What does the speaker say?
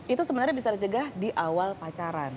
itu sebenarnya bisa dicegah di awal pacaran